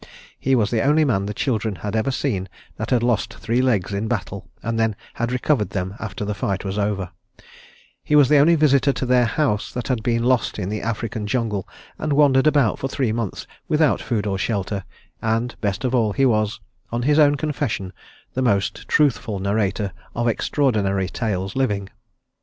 He was the only man the children had ever seen that had lost three legs in battle and then had recovered them after the fight was over; he was the only visitor to their house that had been lost in the African jungle and wandered about for three months without food or shelter, and best of all he was, on his own confession, the most truthful narrator of extraordinary tales living.